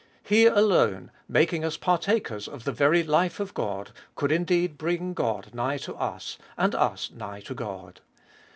He alone, making us partakers of the very life of God, could indeed bring God nigh to us, and us nigh to God.